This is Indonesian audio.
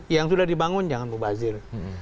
yang sudah dibangun jangan mubazir